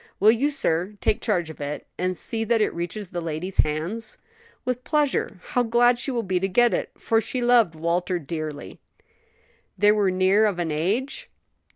Will you, sir, take charge of it, and see that it reaches the lady's hands?" "With pleasure. How glad she will be to get it, for she loved Walter dearly." "They were near of an age?"